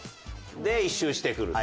で１周してくると？